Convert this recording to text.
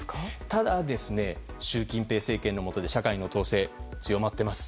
ただ習近平政権のもとで社会の統制強まっています。